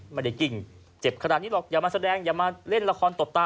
กิ้งเจ็บขนาดนี้หรอกอย่ามาแสดงอย่ามาเล่นละครตบตา